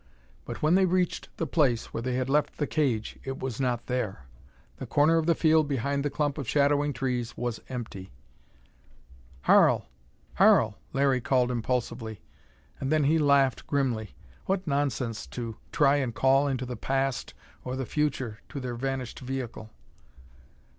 But when they reached the place where they had left the cage, it was not there! The corner of the field behind the clump of shadowing trees was empty. "Harl! Harl!" Larry called impulsively. And then he laughed grimly. What nonsense to try and call into the past or the future to their vanished vehicle!